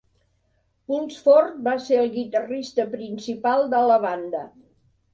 Pulsford va ser el guitarrista principal de la banda.